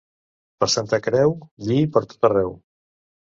Per Santa Creu, lli per tot arreu.